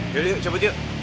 yuk cepet yuk